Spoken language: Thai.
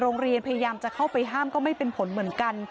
พยายามจะเข้าไปห้ามก็ไม่เป็นผลเหมือนกัน